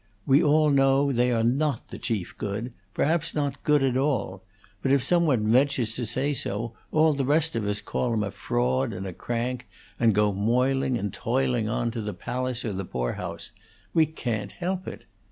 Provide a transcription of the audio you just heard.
We all know they are not the chief good, perhaps not good at all; but if some one ventures to say so, all the rest of us call him a fraud and a crank, and go moiling and toiling on to the palace or the poor house. We can't help it.